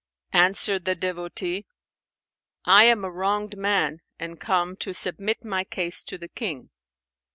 Answered the devotee, "I am a wronged man, and come to submit my case to the King."